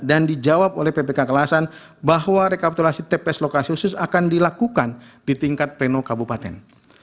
dan dijawab oleh ppk kalasan bahwa rekruterasi tps lokasi khusus akan dilakukan di tingkat peno kabupaten